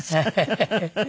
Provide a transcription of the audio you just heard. ハハハハ。